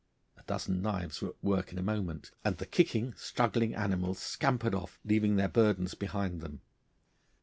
A dozen knives were at work in a moment, and the kicking, struggling animals scampered off, leaving their burdens behind them.